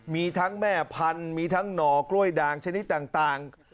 มีทั้งแม่พันธุ์มีทั้งหน่อกล้วยด่างชนิดต่าง